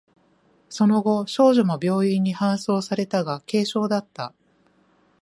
その後、少女も病院に搬送されたが、軽傷だった。